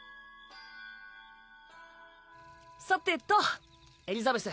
さてとエリザベス。